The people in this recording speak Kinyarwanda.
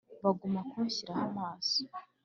Bagumya kunshyiraho amaso